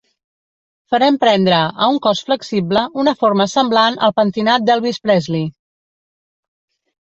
Farem prendre a un cos flexible una forma semblant al pentinat d'Elvis Presley.